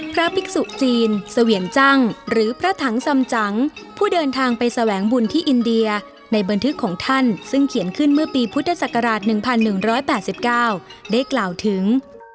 พระภิกษุจีนเสวียงจังหรือพระถังสำจังผู้เดินทางไปแสวงบุญที่อินเดียในบันทึกของท่านซึ่งเขียนขึ้นเมื่อปีพุทธศักราช๑๑๘๙ได้กล่าวถึง